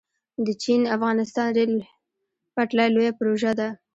د چین - افغانستان ریل پټلۍ لویه پروژه ده